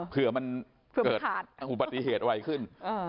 เผื่อมันเกิดอุปฏิเหตุไวขึ้น